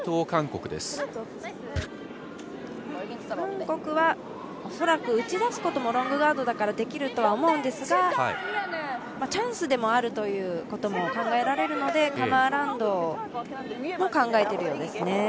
韓国は恐らく打ち出すこともロングガードだからできるとは思うんですがチャンスでもあるということも考えられるのでカム・アラウンドも考えているようですね。